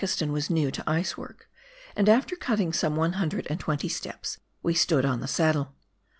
for Blakiston was new to ice work, and after cutting some one hundred and twent}' steps we stood on the saddle.